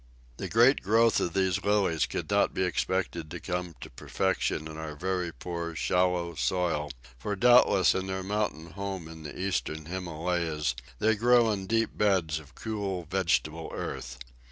The great growth of these Lilies could not be expected to come to perfection in our very poor, shallow soil, for doubtless in their mountain home in the Eastern Himalayas they grow in deep beds of cool vegetable earth.